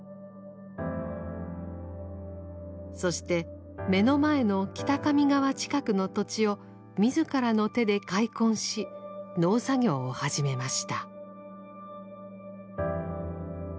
そして目の前の北上川近くの土地を自らの手で開墾し農作業を始めました。